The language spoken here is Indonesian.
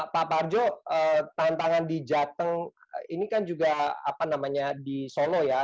pak parjo tantangan di jateng ini kan juga apa namanya di solo ya